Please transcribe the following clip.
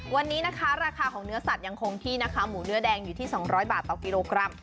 วันนี้นะคะราคาของเนื้อสัตวยังคงที่นะคะหมูเนื้อแดงอยู่ที่๒๐๐บาทต่อกิโลกรัม